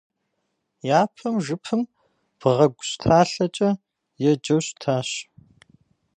Япэм жыпым бгъэгущталъэкӏэ еджэу щытащ.